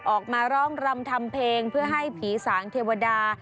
ออกมาร้องรำทำเพลงเพื่อให้ผีสางเทวดา